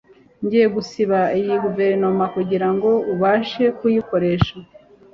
Ngiye gusiba iyi guverinoma kugirango ubashe kuyikoresha